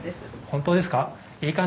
本当ですか？